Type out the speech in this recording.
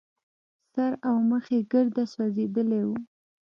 سر او مخ يې ګرده سوځېدلي وو.